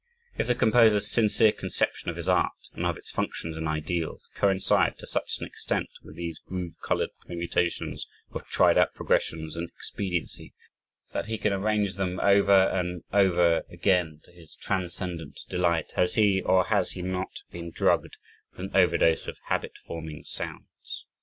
If the composer's sincere conception of his art and of its functions and ideals, coincide to such an extent with these groove colored permutations of tried out progressions in expediency, that he can arrange them over and over again to his transcendent delight has he or has he not been drugged with an overdose of habit forming sounds?